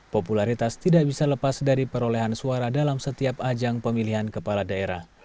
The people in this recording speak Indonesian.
popularitas tidak bisa lepas dari perolehan suara dalam setiap ajang pemilihan kepala daerah